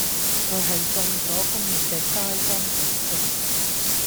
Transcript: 佢係眾所公認嘅街坊情聖